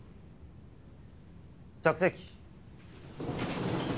着席。